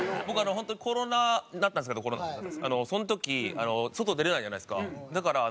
僕あの本当コロナだったんですけどその時外出れないじゃないですか。